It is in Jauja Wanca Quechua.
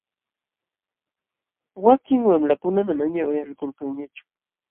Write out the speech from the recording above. Wakin wamlakuna manañaq uyalikulkanñachum.